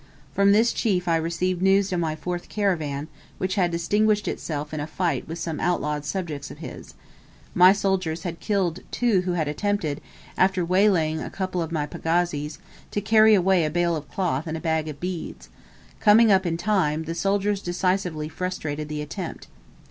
From this chief I received news of my fourth caravan, which had distinguished itself in a fight with some outlawed subjects of his; my soldiers had killed two who had attempted, after waylaying a couple of my pagazis, to carry away a bale of cloth and a bag of beads; coming up in time, the soldiers decisively frustrated the attempt.